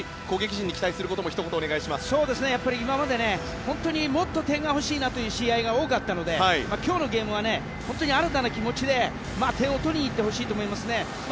攻撃陣に期待するところも今までもっと点が欲しいという試合が多かったので今日のゲームは、本当に新たな気持ちで点を取りにいってほしいと思いますね。